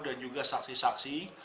dan juga saksi saksi